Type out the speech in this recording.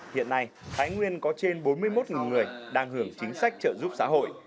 hiện nay thái nguyên có trên bốn mươi một người đang hưởng chính sách trợ giúp xã hội